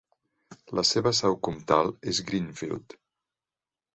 La seva seu comtal és Greenfield.